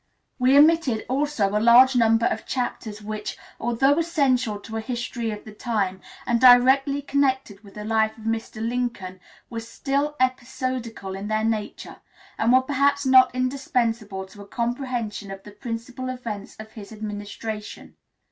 We omitted also a large number of chapters which, although essential to a history of the time, and directly connected with the life of Mr. Lincoln, were still episodical in their nature, and were perhaps not indispensable to a comprehension of the principal events of his administration.